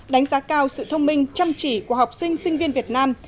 đánh giá cao sự thông minh chăm chỉ của học sinh sinh viên việt nam